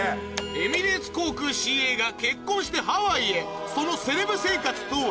エミレーツ航空ＣＡが結婚してハワイへそのセレブ生活とは？